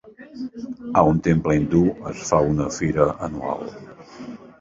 A un temple hindú es fa una fira anual.